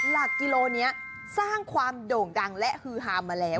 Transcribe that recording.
หลักกิโลนี้สร้างความโด่งดังและฮือฮามาแล้ว